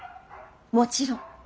もちろん。